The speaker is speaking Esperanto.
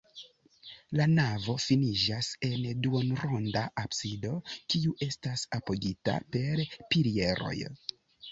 La navo finiĝas en duonronda absido, kiu estas apogita per pilieroj.